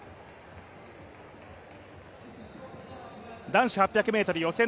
男子８００ｍ予選